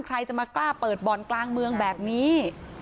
ใครจะมากล้าเปิดบ่อนกลางเมืองแบบนี้